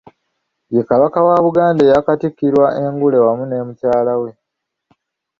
Ye Kabaka wa Buganda eyaakatikkirwa engule wamu ne Mukyala we.